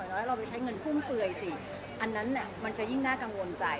เราไปใช้เงินคุ้มเฟื่อยสิอันนั้นจะยิ่งน่ากังวลใจ